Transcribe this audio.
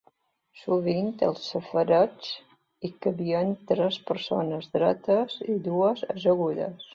Sovint, al safareig hi cabien tres persones dretes i dues ajagudes.